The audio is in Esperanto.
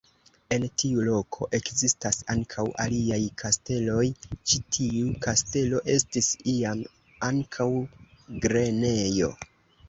En tiu loko ekzistas ankaŭ aliaj kasteloj, ĉi tiu kastelo estis iam ankaŭ grenejo.